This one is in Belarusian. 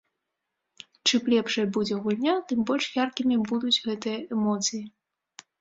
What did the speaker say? Чым лепшай будзе гульня, тым больш яркімі будуць гэтыя эмоцыі.